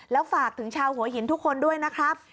แล้วฝากถึงชาวหัวหินทุกคนด้วยนะครับ